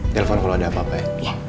telepon kalau ada apa apa ya